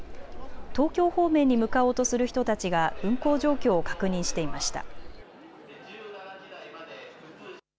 東京方面に向かおうとする人たちが運行状況を確認していました。